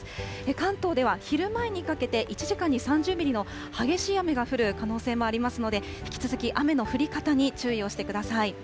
関東では昼前にかけて、１時間に３０ミリの激しい雨が降る可能性もありますので、引き続き雨の降り方に注意をしてください。